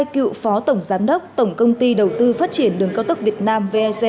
hai cựu phó tổng giám đốc tổng công ty đầu tư phát triển đường cao tốc việt nam vec